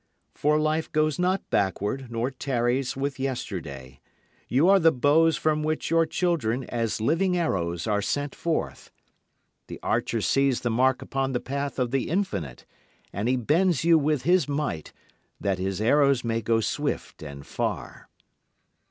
For life goes not backward nor tarries with yesterday. You are the bows from which your children as living arrows are sent forth. The archer sees the mark upon the path of the infinite, and He bends you with His might that His arrows may go swift and far.